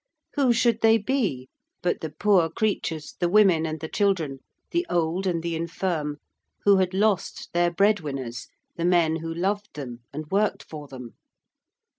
Who should they be but the poor creatures, the women and the children, the old and the infirm who had lost their breadwinners, the men who loved them and worked for them?